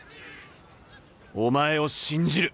お前を信じる。